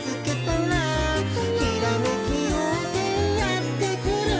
「ひらめきようせいやってくる」